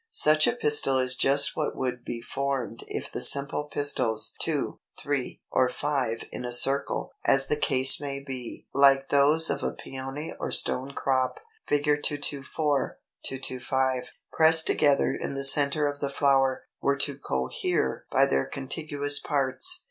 Such a pistil is just what would be formed if the simple pistils (two, three, or five in a circle, as the case may be), like those of a Pæony or Stonecrop (Fig. 224, 225), pressed together in the centre of the flower, were to cohere by their contiguous parts.